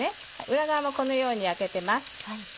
裏側もこのように焼けてます。